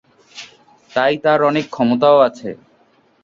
তাই তার অনেক ক্ষমতাও আছে।